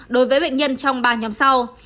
đối với bệnh nhân trong ba nhóm sau